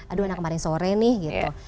aduh anak kemarin sore nih gitu